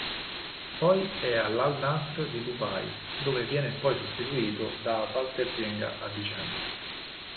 Poi è all'Al-Nasr di Dubai, dove viene poi sostituito da Walter Zenga a dicembre.